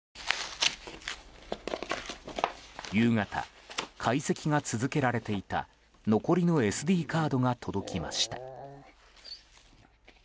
夕方、解析が続けられていた残りのＳＤカードが届きました。